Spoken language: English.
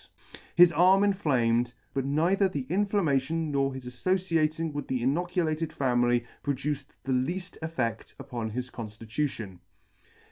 His arm inflamed, but neither the in flammation nor his aflociating with the inoculated family pro duced the leafl: eflfed: upon his conftitution.